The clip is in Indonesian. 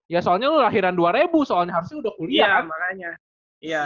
ya soalnya lahiran dua ribu soalnya harusnya udah kuliah kan makanya